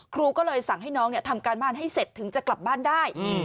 ครูก็เลยสั่งให้น้องทำการบ้านให้เสร็จถึงจะกลับบ้านได้